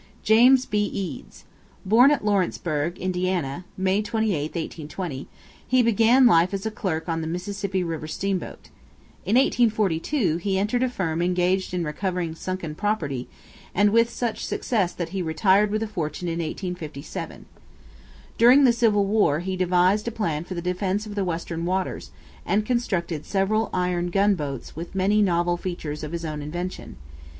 James B. Eads. Born at Lawrenceburg, Indiana, May 28, 1820, he began life as a clerk on a Mississippi river steam boat. In 1842 he entered a firm engaged in recovering sunken property, and with such success that he retired with a fortune in 1857. During the civil war he devised a plan for the defence of the Western waters, and constructed several iron gun boats with many novel features of his own invention.